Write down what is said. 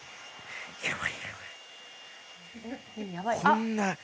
こんな。